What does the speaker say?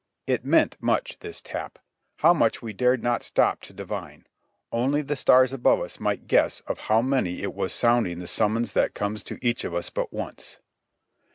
It meant much, this tap, how much we dared not stop to divine ! only the stars above us might guess for how many it was sound ing the summons that comes to each of us but once.